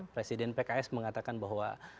presiden pks mengatakan bahwa